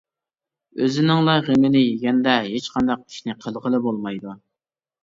ئۆزىنىڭلا غېمىنى يېگەندە ھېچقانداق ئىشنى قىلغىلى بولمايدۇ.